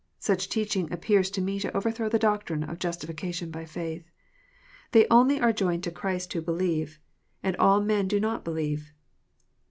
Such teaching appears to me to overthrow the doctrine of justification by faith. They only are joined to Christ who believe. And all men do not believe.